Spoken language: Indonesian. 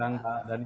senang pak dhani